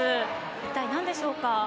一体なんでしょうか？